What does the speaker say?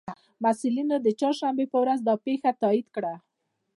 مسئولینو د چهارشنبې په ورځ دا پېښه تائید کړه